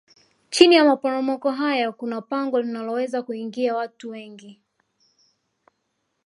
chini ya maporomoko hayo kuna pango linaloweza kuingiza watu wengi